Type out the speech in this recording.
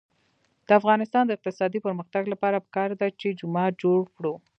د افغانستان د اقتصادي پرمختګ لپاره پکار ده چې جومات جوړ کړو.